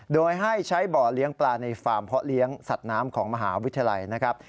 โดยให้ใช้บ่อเลี้ยงปลาในฟาร์มเพาะเลี้ยงสัตว์น้ำของมหาวิทยาลัยนะครับ